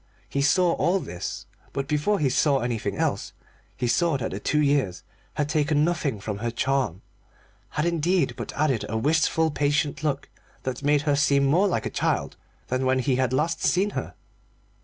He saw all this, but before he saw anything else he saw that the two years had taken nothing from her charm, had indeed but added a wistful patient look that made her seem more a child than when he had last seen her.